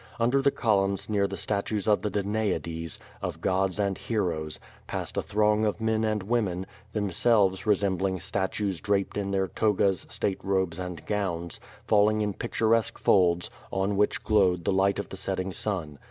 Under the col umns near the statues of the Danaides, of gods and heroes, passed a throng of men and women, themselves resembling statues draped in their togas, state robes and gowns, falling in picturesque folds, on which glowed the light of the setting sun.